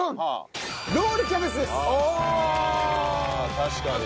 確かにね。